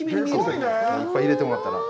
いっぱい入れてもらったら。